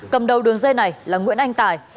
cầm đầu đường dây này là nguyễn anh tài